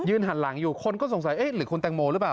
หันหลังอยู่คนก็สงสัยเอ๊ะหรือคุณแตงโมหรือเปล่า